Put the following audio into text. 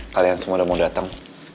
kalian semua udah mau datang